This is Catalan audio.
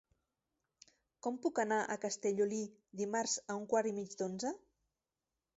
Com puc anar a Castellolí dimarts a un quart i mig d'onze?